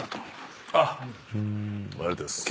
ありがとうございます。